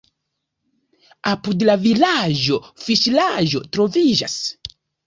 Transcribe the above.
Apud la vilaĝo fiŝlago troviĝas.